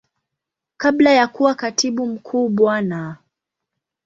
Kabla ya kuwa Katibu Mkuu Bwana.